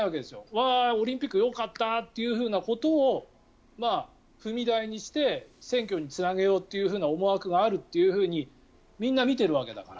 わー、オリンピックよかったということを踏み台にして選挙につなげようという思惑があるというふうにみんな見てるわけだから。